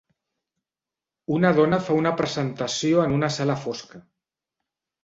Una dona fa una presentació en una sala fosca.